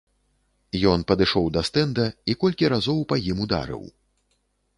Ён падышоў да стэнда і колькі разоў па ім ударыў.